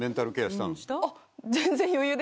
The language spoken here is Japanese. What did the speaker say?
全然。